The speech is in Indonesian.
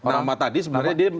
nama tadi sebenarnya dia